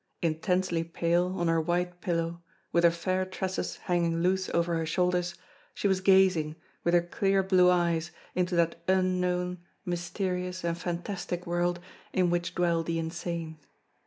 Intensely pale, on her white pillow, with her fair tresses hanging loose over her shoulders, she was gazing, with her clear blue eyes, into that unknown, mysterious, and fantastic world, in which dwell the insane.